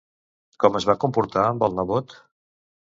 Com es va comportar amb el nebot?